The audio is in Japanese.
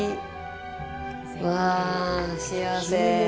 うわあ、幸せ。